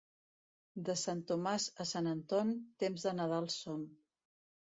De Sant Tomàs a Sant Anton, temps de Nadal som.